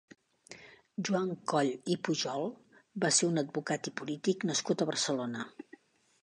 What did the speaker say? Joan Coll i Pujol va ser un advocat i polític, nascut a Barcelona.